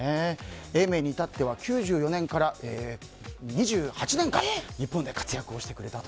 永明に至っては９４年から２８年間日本で活躍をしてくれたと。